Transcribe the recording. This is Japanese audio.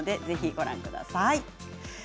ぜひ、ご覧ください。